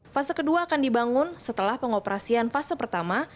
fase kedua akan dibangun setelah pengoperasian fase pertama